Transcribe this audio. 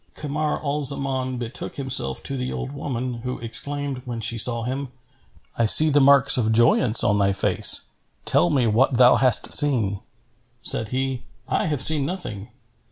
Kamar al Zaman betook himself to the old woman, who exclaimed, when she saw him, "I see the marks of joyance on thy face: tell me what thou hast seen." Said he, "I have seen nothing.